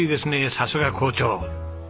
さすが校長。